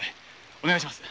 お願いします。